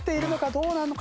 どうなのか？